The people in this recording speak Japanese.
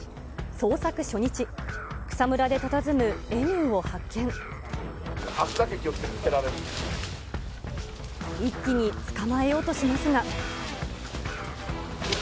捜索初日、足だけ気をつけて、一気に捕まえようとしますが。